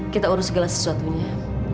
kita urus segala sesuatunya